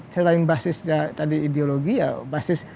saya tadi basis ideologi ya basis